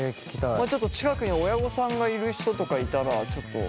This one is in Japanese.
ちょっと近くに親御さんがいる人とかいたらちょっと。